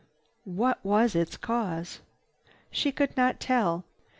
What was its cause? She could not tell.